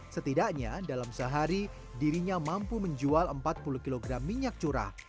setidaknya dalam sehari dirinya mampu menjual empat puluh kg minyak curah